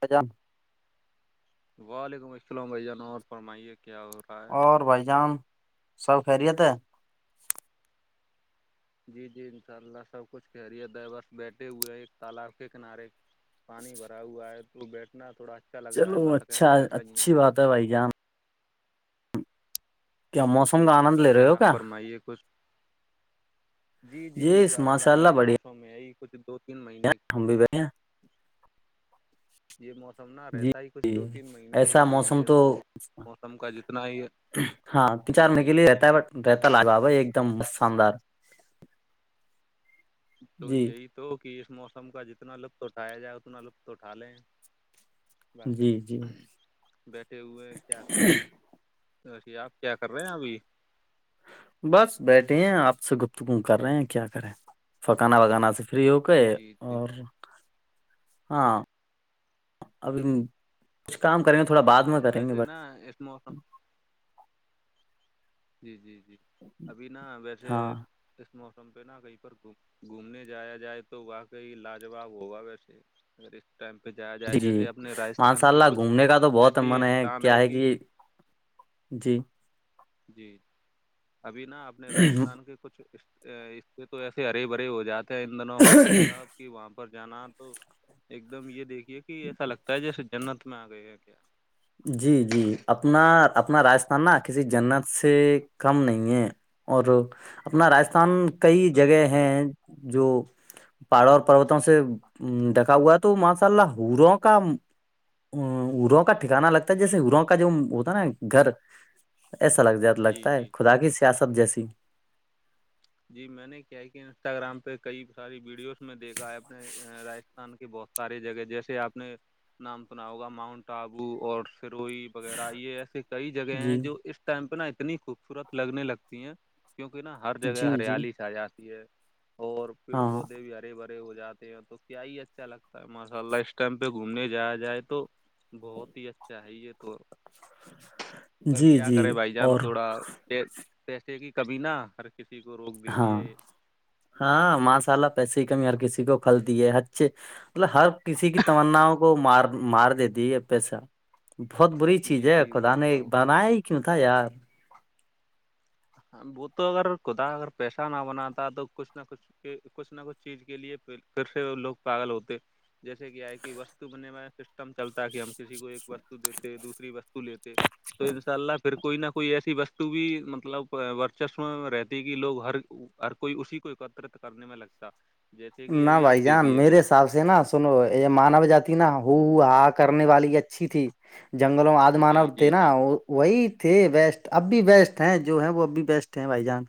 ہ جام وعلیکم السلام ع جان اور فرمائیے کیا اور اور بھائی جان سب خیریت ہے جی جی انشاء اللہ سب کچھ کیہریت دورست بیٹھے ہوئے ایک تالاب کے کنارے پانی بھرا ہوا ہے تو بیٹھنا تھوڑا اچھا لگ رہا ہے بتخیں تیر رہی ہیں بائی جان کیا جی جی موسم کا جی آنند لے رہے باقی ہو آپ کیا فرمائیے کچھ جی جی انشاء اللہ یہ موسم ہے ہی کچھ دو تین کیا مہینے ہم بھی بھ ہیں یہ موسم نہ جی رہتا ہی کچھ جی دو تین مہینے کے ایسا لیے موسم یہ تو موسم کا جتنا ہی ہاں ت جی چارنے کے جی لیے رہتا ہے ب رہتا لگ گا بائی ایک دم شاندار تو جی یہی تو کہ اس موسم کا جتنا لطف اٹھایا جائے اتنا لطف اٹھا لیں باقی جی جی بیٹھے ہوئے کیا کر تو وے آپ کیا کر رہے ہیں ابھی بس بیٹھے ہیں آپ سے گفتگو کر رہے ہیں کیا کرے پکانا وگانا سے فری ہو کے جی جی اور ہاں ابھی کچھ کام کریںے تھوڑا بات وسینا اسس موسم جی جی جی ابھی نا ویسے ہاں اس موسم پہ نا کہیں پر گھومنے جایا جائے تو واقعی لاجواب ہوگا ویسے اگر اس ٹائم پہ جایا جائے جی جی جیسے اپنے ماشاء راجستھان کے اللہ کچھ گھومنے کا تو بہت ایسی من استان کیا ہے کہ جی جی ابھی نا اپپ نے راجستھان کے کچھ اس سے تو ایسے ہری بھرے ہو جاتے ہیں ان دنوں کی بھائی صاحب کہ وہاں پر جانا تو ایک دم یہ دیکھیے کہ ایسا لگتا ہے جیسے جنت میں آ گئے ہے کیا جی جی اپنا اپنا راجستھان نا کسی جنت سے کم نہیں ہے اور اپنا جی راجستھان ان کئی شاء اللہ جگہ ہیں جو پہڑوں اور پروتوں سے دیکھا ہوا تو ماشاء اللہ ہوروں کا ارو کاٹتے انا لگتا ہے جی جیسے گرو کا جو ہوتا ہے نا گھر ایسا لگ ج جی لگتا ہے جی خدا کی سیاست جیسی جی میں نے کیا کہ انسٹاگررام پہ کئی ساری ویڈیوز میں دیکھا ہے اپنے رجستھان کی بہت ساری جگہ جیسے آپ نے نام سنا ہوگا ماؤنٹ آبو اور سروئی وغیرہ یہ ایسے کئی جگہ ہیں جی جو اس ٹائم پہ نا اتنی خوبصورت لگنے لگتی ہیں کیونکہ نا ہر جی جگہ جی ہریالی سے آ جاتی ہے اور پیڑ ہاں پودے بھی آ بڑے بڑے ہو جاتے ہیں تو کیا ہی اچھا لگتا ہے ماشاء اللہ اس ائم پہ گھومنے جایا جائے تو بہت ہی اچھا ہے یہ تو پر جی کیا جی کرے بھائی جان اور تھوڑا پسے کی کبھی نہا ہر کسی کو روگ ہاں ہاں ماشء اللہ پیسے کی کمی ہر کسی کو کھلتی ہے اچھے مطلب ہر کسی کی تمناؤ کو مار مار دیتی یہ پیسہ بہت بری چیز جی ہے جی کد وہی نے تو بنایا ہی کیوں تھا یار وہ تو اگر خدا اگر پیسہ نہ بناتا تو کچھ نہ کچھ کہ کچھ نہ کچھ چیز کے لیے پھر سے لوگ پاگل ہوتے جیسے کیا ہے کہ وستو بنے والا سسٹم چلتا ہے کہ ہم کسی کو ایک وستو دیتے دوسری وستو لیتے تو ان شاء اللہ پھر کوئی نہ کوئی ایسی وستو بھی مطلب ورچسو میں رہتی کہ لوگ ہر ہر کوئی اسی کو ایکترت کرنے میں لگتا جیسے کہ نہ ابھی آپ بھائی جان دیکھیے میرے کہ حساب سے نا سنو یہ مانو جاتی نا ہو ہاں کرنے والی اچھی تھی جنگلوں آدمانا جی ہوتے جی نا جی وہ وہی تھے بیسٹ اب بھی بیسٹ ہیں جو ہے وہ اب بھی بیسٹ ہیں بھائی جان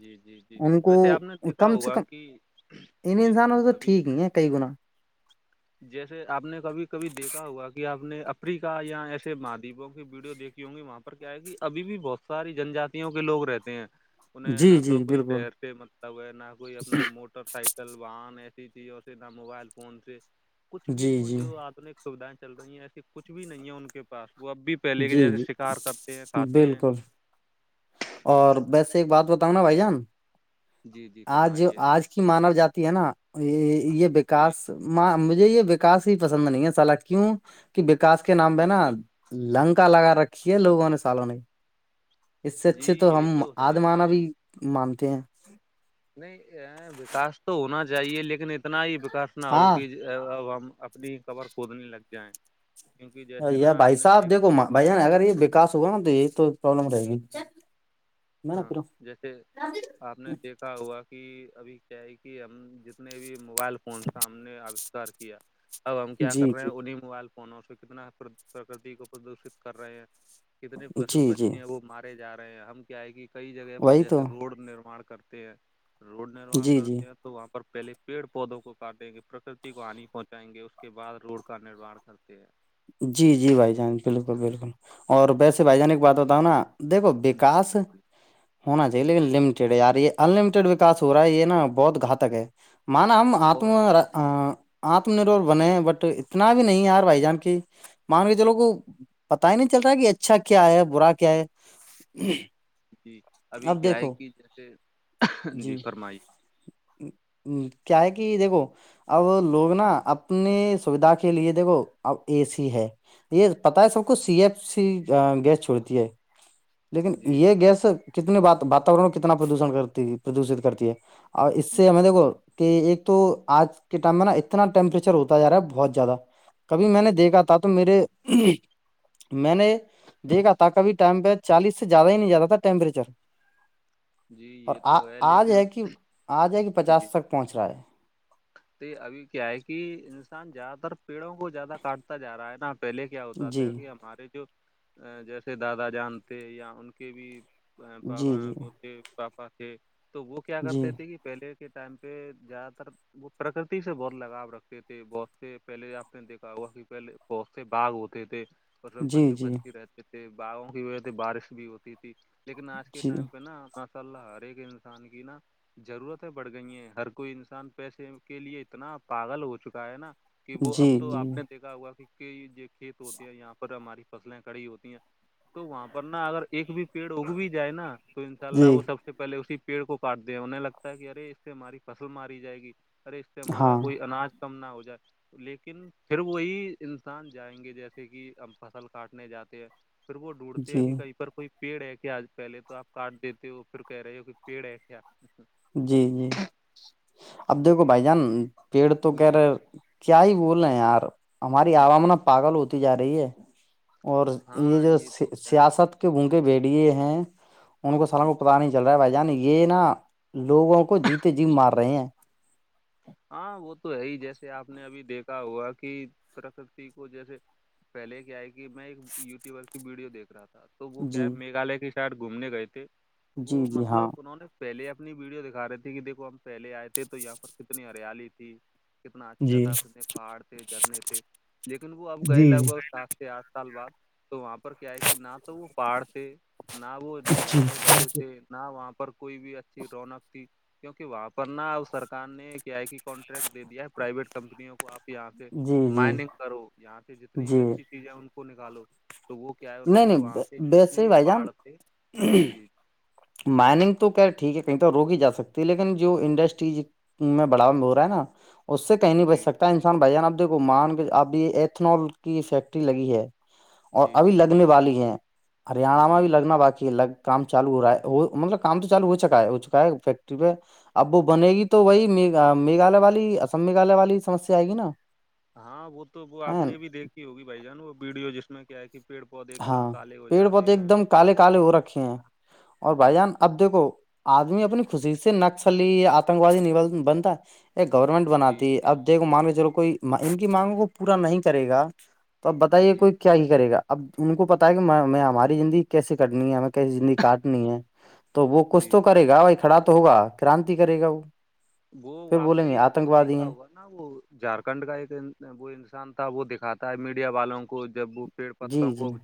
جی جی جی ان کو ویسے آپ نے دیکھا کم سے ہوگا کم کہ ان جی انسانوں سے تو ابھی ٹھیک ہی ہے کئی گنا جیسے آپ نے کبھی کبھی دیکھا ہوا کہ آپ نے افریقہ یا ایسے مہاددیپوں کی ویڈیو دیکھی ہوں گی وہاں پہ کیا ہے کہ اب بھی بہت ساری جنجاتوں کے لوگ رہتے ہیں انہیں جی نہ تو جی کوئی بالکل شہر سے متتا ہو ہے نہ کوئی اپنا موٹر سائیکل سلوان ایسی چیزوں سے نہ موبائل فون سے کچھ بھی جی وہ جی جو آدنک سیدھائیں چل رہی ہیں ایسیے کچھ بھی نہیں ہے ان کے پاس وہ اب بھی پہلے کے جی جیسے شکار کرتے ہیں جی کھاتے ہیں بالکل اور ویسے ایک بات بتاؤں نا بھائی جان جی جی آج فرمائیے آج مانا جاتی ہے نا یہ یہ جی وکاس اں مجھے یہ وکاس ہی پسند نہیں ہے سال کیوں کہ وکاس کے نام پ جی نا جی لنکا لگا رکھی ہے لوگوں نے سالوں نے اس سے اچھے تو جی ہم یہ ہے آدمانا بھی مانتے ہیں نہیں وکاس تو ہونا چاہیے لیکن اتنا ہی وکاس نہ ہو ہاں کہ ج ہم اپنی کبر کوودنے لگ جائیں کیونکہ جیسے نا یا آپ بھائی نے صاحب دیکھ دیکھو بھائیا اگر یہ وکاس ہوگا نا تو یہ تو پرابلم رہے گی میں نا ہاں پھر جیسے آپ نے دیکھا ہوا کہ ابھی کیا ہے کہ ہم جتنے بھی موبائل فونس کا ہم نے ار کیا کیا اب ہم کیا کر جی رہے ہیں جی انہیں موبائل فونوں سے کتنا پرکتی کو پردوشت کر رہے ہیں کتنے پشو جی جی پھھی ہیں وہ مارے جا رہے ہیں ہم کیا ہے کہ کئی جگہ پر وہی جیسے تو روڈ نراان کرتے ہیں روڈ نرما جی جی کرتے ہیں تو وہ پہلے پیڑ پودوں کو کاٹیں گے پرکرتی کو ہانی پہنچائیں گے اس کے بعد روڈ کا نرمان کر کرتے جی جی بھائی جان بالکل بالکل اور ویسے بھائی جان کی بات بتاؤ نا دیکھو جی وکاس ہونا چاہیے جی لیکن یار یہ ان لٹیڈ وکا ہو رہا ہے یہ نا بہت گھاتک ہے مانا ہم اور آ آتم نربر بنے ہیں بٹ اتنا بھی نہیں یار بھائی جان کی مانوی چلو کو پتا ہی نہیں چل رہا کہ اچھا کیا ہے برا کیا ہے جی ابھی اب کیا ہے دیکھو کہ جیسے جی فرمائی ہ کیا ہے کہ دیکھو اب لوگ نا اپنی سوھا کے لیے دیکھو اب اے سی ہے یہ پتا ہے سب کو سی ایف سی گیس چھوڑتی ہے لیکن جی یہ گیس کتنے واتاورن کتنا پردوش کرتی پردوشت کرتی ہے اور اس سے ہمیں دیکھو کہ ایک تو آج کے ٹائم میں نا اتنا ٹیمپریچر ہوتا جا رہا ہے بہت زیادہ کبھی میں نے دیکھا تھا تو میرے میں نے دیکھا تھا کبھی م چالیس سے زیادہ ہی نہیں جاتا تھا ٹیمپریچر جی اور یہ آ تو آج ہے لیکن کہ آج ہے کہ پچاس تک پہنچ رہا ہے یہ ابھی کیا ہے کہ انسان زیادہ تر پیڑوں کو زیادہ کاٹتا جا رہا ہے نا پہلے کے کیا ہوتا جی تھا کہ ہمارے جو جیسے دادا جانتے یا ان کے بھی جی وہ تھ پاپا تھے تو وہ کیا کرتے جی تھے کہ پہلے کے ٹائم پہ زیادہ تر وہ پرکرتی سے بہت لگاؤ رکھتے تھے بہت سے پہلے آپ نے دیکھا ہوا کہ پہلے بہت سے باغ ہوتے تھے پ میں جی جی پچو جی پچی رہتے تھے باغوں کی وجہ سے بارش بھی ہوتی تھی لیکن آج کے جی ٹائم پہ نا ماشاء اللہ ہر ایک انسان کی نا ضرورتیں بڑ گئی ہیں ہر کوئی انسان پیسے کے لیے اتنا پاگل ہو چکا ہے نا کہ وہ جی اب تو جی آپ نے دیکھ ا ہوا کہ یہ کھیت ہوتے ہیں یہاں پر ہماری فصلیں کھڑی ہوتی ہیں تو وہاں پر نا اگر ایک بھی پیڑ اگ بھی جائے نا تو ان شاء اللہ جی وہ سب سے پہلے اسی پیڑ کو کاٹ د ہیں انہیں لگتا ہے کہ ارے اس سے ہماری فصل ماری جائے گی ارے اس سے ہمارا ہاں کوئی اناج کم نہ ہو جائے لیکن پھر وہی انسان جائیں گے جیسے کہ ہمب فصل کاٹنے جاتے ہیں پھر وہ ڈوڑتے ہیں جی کہ کائی کوئی پیڑ ہے کیا آج پہلے تو آپ کاٹ دیتے ہو پھر کہہ رہے ہو کہ پیڑ ہے کیا جی جی اب دیکھو بھائی جان پیڑ تو کہہ جی رہے کیا ہی بول رہے ہیں یار ہماری جی عوامن پاگل ہوتی جا رہی ہے اور یہ ہاں جو تو ہے سیاست کے بونگے بڑیے ہیں ان کو سالوں کو پتا نہیں چل رہا ہے بھائی جان یہ نا لوگوں کو جیتے جی مار رہے ہیں ہاں وہ تو ہے ہی جیسے آپ نے ابھی دیکھا ہوا کہ پرکرتی کو جیسے پہلے کیائے کہ میں ایک یوٹیوبر کی ویڈیو دیکھ رہا تھا تو وہ جی کیا میگھالیہ کی سائڈ گھومنے گئے تھے تو جی وہ جی ہاں مطلب انہوں نے پہلے اپنی ویڈیو دکھا رہے تھے کہ دیکھو ہم پہلے آئے تھے تو یہاں پر کتنی ہریالی تھی کتنا اچھا جی تھا کنے پہاڑ تھے جھرنے تھے لیکن وہ اب گئے جی لگ جی بھگ سات آٹھ سال بعد تو وہاں پر کیا ہے کہ نہ تو وہ پہاڑ تھے نہ وہ گھرنے بچے سے نہ وہاں پر کوئی بھی اچھی رونق تھی کیونکہ وہاں پر نہ ا سرک نے ا آئی کی کانٹریکٹ دےیا ہے پرائیویٹ کمپنیوں کو آپ یہاں پہ جی جی مائننگ کرو یہاں پہ جتنی بھی جی اچھی چیزیں ان کو نکالو تو وہ کیا ہے انہوں نہیں نے نہیں وہاں سے جتنے ویسے ہی بھی بھائی پہاڑ تھے جی جی مائنگ تو کہہ ٹھیک ہے کہیں تو روک ہی جا سکتی ہے لیکن جو انڈسٹریز میں بڑا میں ب ہو رہا ہے نا اس سے کہیں نہیں بچ جی سکتا انسان بھائی جان اب دیکھو مان کے اب یہ ایتھنال کی فیکٹری لگی ہے اور جی ابھی جی جی لگنے والی ہے ہریانہ میں جی بھی لگنا باقی ہے ل کام چالو ہو رہا ہے مطلب کام تو چالو ہو چکا ہے ہو چکا ہے فیکٹری پہ اب وہ بنے گی تو وہی میگھالیہ والی ام میگھالیہ والی سمسیا آئے گی نا ہاں وہ تو وہ آپ نے بھی دیکھی ہوگی بھائی جان وہ ویڈیو جس میں کیا ہے کہ پیڑ پودے ایک ہاں دم کالے ہو پیڑ جاتے پودے ہیں ایک دم کالے وہ کالے ہو رکھے ہیں اور بھائی جی جان اب دیکھو آدمی اپنی خوشی سے نکسللی آتنکوادی بنتا یہ گورنمنٹ جی بناتی جی اب دیکھو مان لو چو کوئی ان کی مانگوں کو پورا نہیں کرے گا تو اب بتائیے جی کوئی کیا ہی کرے گا اب ان کو پتا ہے کہ ہماری زندگی کیسے کٹنی ہے ہمیں کیسی زندگی کاٹنی ہے تو وہ کچھ جی تو کرے گا جی بھائی کھڑا تو ہوگا کرانتی کرے گا وہ وہ پھر آپ بولیں نے گے ایک آتنک کو وادی دیکھا ہیں ہوگا ن وہ جھارکھنڈ کا ایک وہ انسان تھا وہ دکھاتا ہے میڈیا والوں کو جب وہ پیڑ جی پتوں جی کو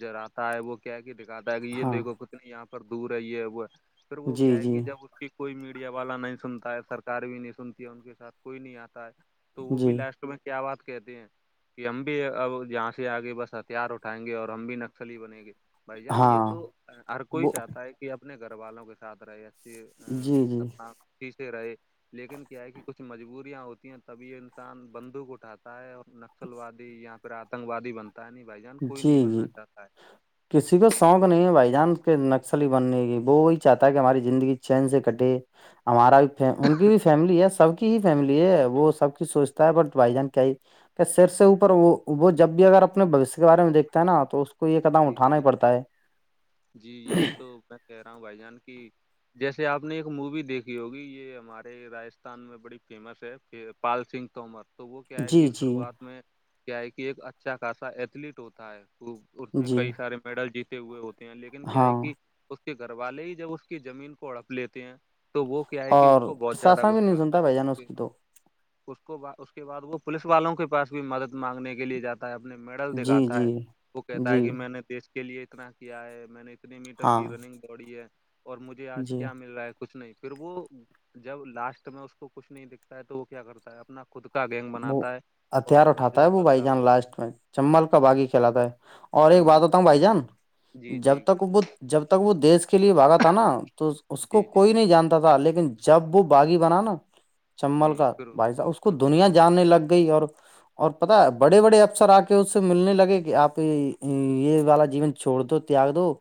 جراتا ہے وہ کہ کے دکھاتا ہے کہ یہ ہاں دیکھو یہاں پر دور ہے یہ وہ پھر وہ جی کیا ہے جی کہ جب اس کی کوئی میڈیا والا نہیں سنتا ہے سرکار بھی نہیں سنتی ہے ان کے ساتھ کوئی نہیں آتا ہے تو وہ بھی جی لاسٹ کیا بات کہتی ہیں کہ ہم بھی اب یہہاں سے آگے بس ہتھیار اٹھائیں گے اور ہم بھی نکسلی بنیں گے بھائی جان یہ ہاں تو ہر کوئی وہ چاہتا ہے کہ اپنے گھر والوں کے ساتھ رہے ج جی جی اپنا سیھے رہے لیکن کیا ہے کہ کچھ مجبوریاں ہوتی ہیں تبھی یہ انسان بندوق اٹھاتا ہے اور نکسل وادی یااں پھر آتنک وادی بنتا ہے نہیں بھائی جان کوئی جی نہیں جی بننا چاہتا ہے کسی کو شوق نہیں ہے بائی جانس نکسلی بننے کی وہ وہی چاہتا ہے کہ ہماری زندگی چین سے کٹے ہمارا بھی ان کی بھی فیملی ہے سب کی ہی فیملی ہے وہ سب کچھ سوچتا ہے ب بھائی جان کیا سر سے اوپر وہ جب بھی اگر اپنے اس کے بارے میں دیکھتا ہے نا تو اس کو یہ قدم جی اٹھانا ہی جی پڑتا ہے جی یہی تو میں کہہ رہا ہوں بھائی جان کی جیسے آپ نے ایک مووی دیکھی ہوگی یہ ہمارے راجستھان میں بڑی فیمس ہے کہ پال سنگھ تومر تو وہ کیا ہے جی کہ جی شروعات میں کیا ہے کہ ایک اچھا خاصا ایتھلیٹ ہوتا ہے اس میں جی کئی سارے میڈل جیتے ہوئے ہوتے ہیں لیکن کیا ہاں ہے کہ اس کے گھر والے ہی جب اس کی زمین کو اڑپ لیتے ہیں تو وہ کیا ہے کہ اس اور کو بہت زیادہ پرشاسن بھی غصہ نہیں آتا سنتا ہے بھائی جان اس کی تو اس کو اس کے بعد وہ پولیس والوں کے پاس بھی مدد مانگنے کے لیے جاتا اپنے میڈل جی دکھاتا جی ہے وہ کہتا ہے جی کہ میں نے دیش کے لیے اتنا کیا ہے میں نے کتنی میٹر ہاں کی رننگ دوڑی ہے اور مجھے آج جی کیا مل رہا ہے کچھ نہیں تھا پھر وہ جب لاسٹ میں اس کو کچھ نہیں دکھتا ہے تو وہ کیا کرتا ہے اپنا خود کا گینگ وہ بناتا ہے اور ہتھیار اٹھا اپنے ہے جو وہ بھائی ددا جان لاسٹ میں ہاں چمبل کا باغی کھیلاتا ہے اور ایک بات چمبل ہوتا ہوں بھائی جان جی جب جی تک وہ جب تک وہ دیش کے لیے بھاگا تھا نا تو اس کو جی جی کوئی نہیں جانتا تھا لیکن جب وہ باغی بنا نا چمبل کا بائیا اس کو دنیا جاننے لگ گئی اور اور پتا بڑے بڑے افسر آ کے اس سے ملنے لگے کہ آپ یہ والا جیون چھوڑ دو تیاگ دو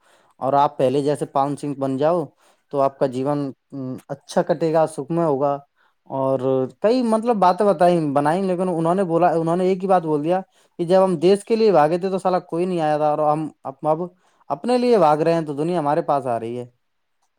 اور آپ پہلے جیسے پن سنگھ بن جاؤ تو آپ کا جیون اچھا کٹے گا سکھم ہوگا اور کئی مطلب باتیں بنائیں لیکن انہوں نے بولا انہوں نے ایک ہی بات بول دیا کہ جب ہم جی دیش کے لیے باگے تھے تو سالا کوئی نہیں آیا تھا اور ہم اب اپنے لیے بھاگ رہے ہیں تو دنیا ہمارے پاس آ رہی ہے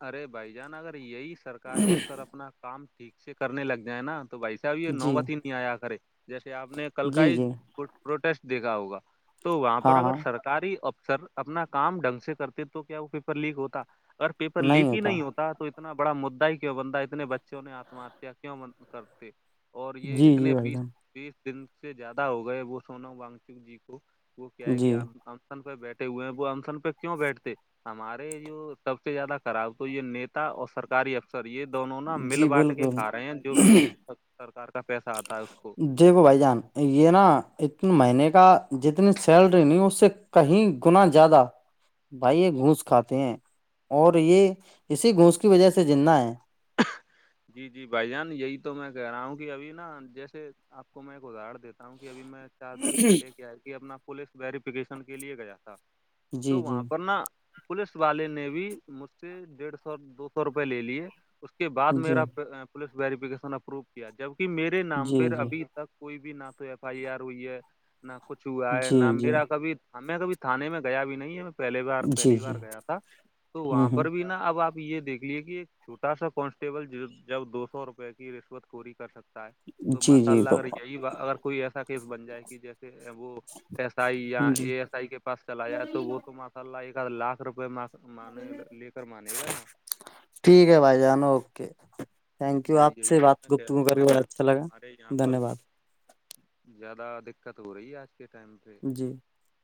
ارے بھائی جان اگر یہی سرکاری اکثر اپنا کام ٹھیک سے کرنے لگ جائے نا تو بھائی ب یہ جی نوبتی نہیں آیا کرے جیسے آپ نے کل کا جی ہی جی پروٹیسٹ دیکھا ہوگا تو وہاں پر ہاں اگر ہاں سرکاری افسر اپنا کام ڈھنگ سے کرتے تو کیا وہ پیپر لیک ہوتا اگر پیپر لیک ہی نہیں ہوتا تونا اتنا بڑا مدا ہی کیوں بند ہے اتنے بچوں نے آتم ہتیا کیوں کرتے اور یہ جی جی اتنے بھائی بیس جان بیس دن سے زیادہ ہو گئے وہ سونم وانگچک جی کو وہ کیا ہے جی کہسن پہ بیٹھے ہوئے ہیں وہ اسن پہ کیوں بیٹھتے ہمارے جوب زیادہ کراؤ تو یہ نیتا اور سرک سرکاری افسر یہ دونوں نا مل جی بانٹ کے بالکل کھا رہے ہیں جو بھی سرکار کا پیسہ آتا ہے اس کو دیکھو بھائی جان یہ نا اتنے جی مہینے کا جتنی سیلری نہیں اس سے کہیں گنا زیادہ بھائی یہ گھونس کھاتے ہیں اور یہ اسی گھونس کی وجہ سے جہ ہے جی جی بھائی جان یہی تو میں کہہ رہا ہوں کہ ابھی نا جیسے آپ کو میں ایک اداہر دیتا ہوں کہ ابھی میں چار دن پہلے کیا کہ اپنا پوولس ویریفکیشن کے لیے گیا تھا جی تو جی وہاں پر نا پوولس والے نے بھی مجھ سے ڈیڑھ سو دو سو روپے لے لیے اس کے بعد جی جی میرا پولیس ویریفکیشن اپروو کیا جبکہ میرے نام جی پہ ابھی تک کوئی بھی نہ تو ایف آئی آر ہوئی ہے نہ کچھ ہوا ہے جی نہ جی میرا کبھی ہمیں کبھی تھاانے میں گیا بھی نہیں ہے میں پہلی بار جی پہلی بار جی گیا تھا تو وہاں ہوں ہ پر بھی نا اب آپ یہ دیکھ لیے کہ ایک چھوٹا سا کانسٹیبل جب دو سو روپئے کی رشوت پوری کر سکتے تو جی ماشاء جی اللہ تو اگر یہی اگر کوئی ایسا کیس بن جائے کہ جیسے وہ ایس آئی یا جی اے ایس آئی کے پاس چلایا تو وہ تم لی کا لاکھ روپئے لے کر مانے گا نا ٹھیک ہے بھائی جان اوکے تھینک یو جی آپ سے یہی تو بات میں کہہ رہا گفتگو کر ہوں کے بھائی بڑا جان اچھا کہ لگا ہمارے یہاں پر دھنیہ واد زیادہ دقت ہو رہی ہے آج کے ٹائم پہ جی